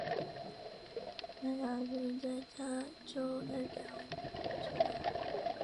兰达尔出生在加州太平洋丛林。